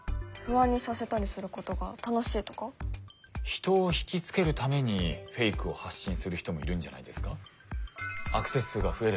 人を引きつけるためにフェイクを発信する人もいるんじゃないですか？